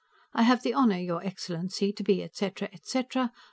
I have the honor, your excellency, to be, et cetera, et cetera.